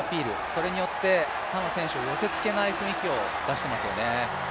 それによって他の選手を寄せ付けない雰囲気を出していますよね。